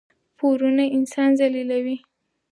پورونه انسان ذلیلوي.